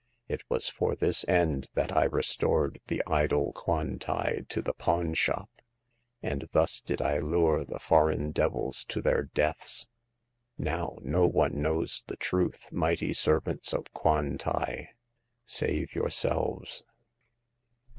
It was for this end that I restored the idol Kwan tai to the pawn shop ; and thus did I lure the foreign devils to their deaths. Now, no one knows the truth, mighty servants of Kwan tai, save yourselves.